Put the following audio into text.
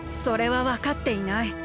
それはわかっていない。